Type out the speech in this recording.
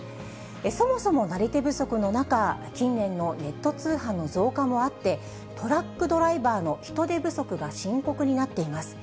そもそもなり手不足の中、近年のネット通販の増加もあって、トラックドライバーの人手不足が深刻になっています。